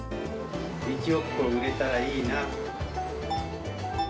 １億個売れたらいいな。